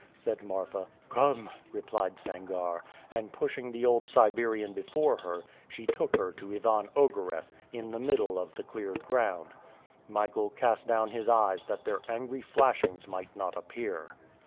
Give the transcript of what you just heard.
said Marfa. "Come!" replied Sangarre, and pushing the old Siberian before her, she took her to Ivan Ogareff, in the middle of the cleared ground. Michael cast down his eyes that their angry flashings might not appear.